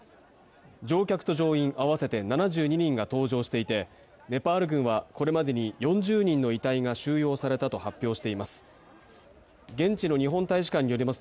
乗客と乗員合わせて７２人が搭乗していて、ネパール軍はこれまでに４０人の遺体が収容されたと発表しています。